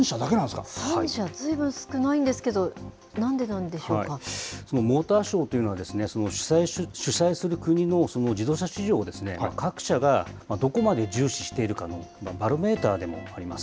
３社、ずいぶん少ないんですモーターショーというのはですね、主催する国の自動車市場を各社がどこまで重視しているかのバロメーターでもあります。